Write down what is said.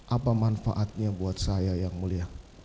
apa manfaatnya buat saya yang mulia